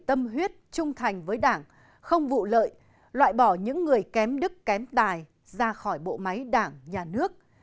tâm huyết trung thành với đảng không vụ lợi loại bỏ những người kém đức kém tài ra khỏi bộ máy đảng nhà nước